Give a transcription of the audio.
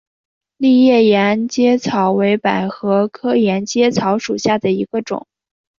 丽叶沿阶草为百合科沿阶草属下的一个种。